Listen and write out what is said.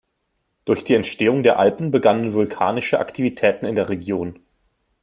Durch die Entstehung der Alpen begannen vulkanische Aktivitäten in der Region.